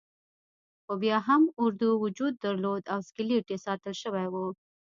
خو بیا هم اردو وجود درلود او اسکلیت یې ساتل شوی وو.